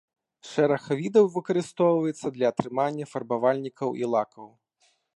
Шэраг відаў выкарыстоўваецца для атрымання фарбавальнікаў і лакаў.